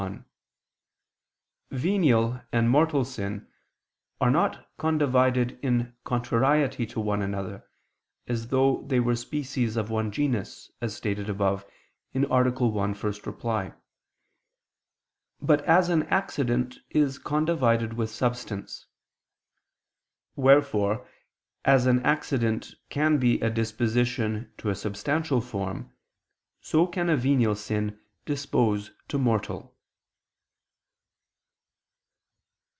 1: Venial and mortal sin are not condivided in contrariety to one another, as though they were species of one genus, as stated above (A. 1, ad 1), but as an accident is condivided with substance. Wherefore an accident can be a disposition to a substantial form, so can a venial sin dispose to mortal.